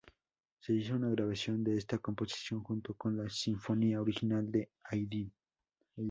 Se hizo una grabación de esta composición junto con la sinfonía original de Haydn.